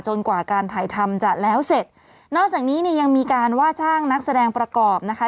กว่าการถ่ายทำจะแล้วเสร็จนอกจากนี้เนี่ยยังมีการว่าจ้างนักแสดงประกอบนะคะ